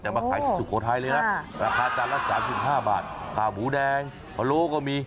แต่มาขายที่สุโขทัยเลยนะราคาจานละ๓๕บาทขาหมูแดงพะโล้ก็มี